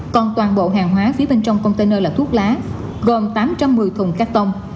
còn toàn bộ hàng hóa phía bên trong container là thuốc lá gồm tám trăm một mươi thùng cắt tông